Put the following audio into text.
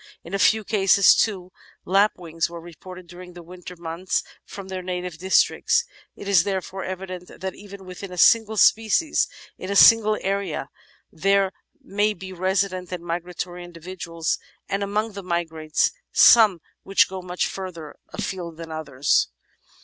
In a few cases, too, lapwings were reported during the winter months from their native districts. It is therefore evident that even within a single species, in a single area, there may be resident and migra tory individuals, and, among the migrants, some which go much further afield than others.